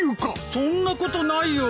そんなことないよ。